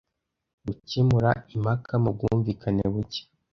Gukemura impaka mu bwumvikane buke